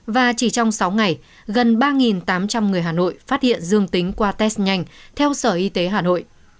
và chỉ trong sáu ngày gần ba tám trăm linh người hà nội phát hiện dương tính qua test nhanh theo sở y tế hà nội